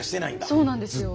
そうなんですよ。